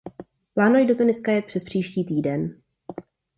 Plánuji do Tuniska jet přespříští týden.